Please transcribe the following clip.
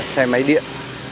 xe máy điện